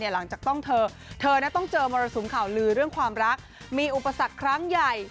หลังจากต้องเธอต้องเจอมรสุมข่าวลือเรื่องความรักมีอุปสรรคครั้งใหญ่